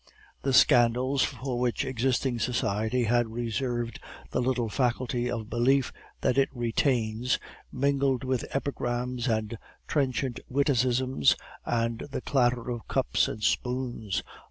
The scandals for which existing society has reserved the little faculty of belief that it retains, mingled with epigrams and trenchant witticisms, and the clatter of cups and spoons.